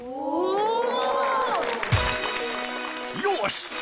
よし！